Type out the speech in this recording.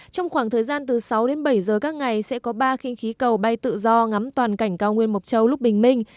trong khoảng thời gian từ sáu đến bảy giờ các ngày sẽ có ba kinh khí cầu bay tự do ngắm toàn cảnh cao nguyên mộc châu lúc bình minh